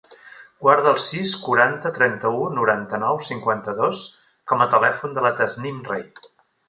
Guarda el sis, quaranta, trenta-u, noranta-nou, cinquanta-dos com a telèfon de la Tasnim Rey.